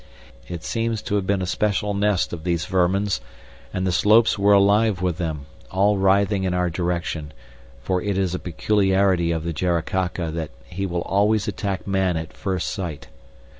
It seems to have been a special nest of these vermins, and the slopes were alive with them, all writhing in our direction, for it is a peculiarity of the Jaracaca that he will always attack man at first sight.